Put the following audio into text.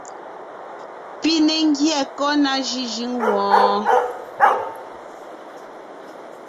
Pi ne ńgyɛ́ kɔ́ ná jʉ́jʉ́ŋ wɔɔn?